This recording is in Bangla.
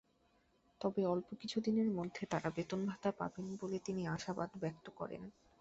তবে অল্প কিছুদিনের মধ্যে তাঁরা বেতন-ভাতা পাবেন বলে তিনি আশাবাদ ব্যক্ত করেন।